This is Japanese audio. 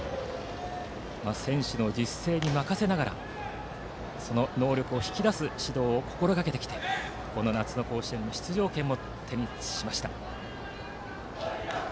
選手の自主性に任せながらその能力を引き出す指導を心がけてきて夏の甲子園の出場権を手にしました。